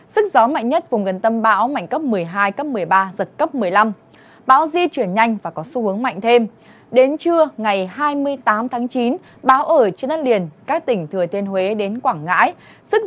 sức gió mạnh nhất giảm về cấp một mươi cấp một mươi một giật cấp một mươi ba